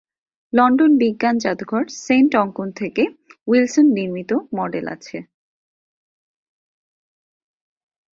London বিজ্ঞান জাদুঘর saint অঙ্কন থেকে উইলসন নির্মিত মডেল আছে।